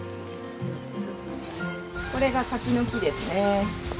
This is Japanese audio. これが柿の木ですね。